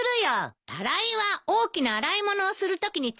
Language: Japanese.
タライは大きな洗い物をするときに使います！